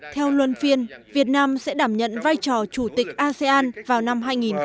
theo luân phiên việt nam sẽ đảm nhận vai trò chủ tịch asean vào năm hai nghìn hai mươi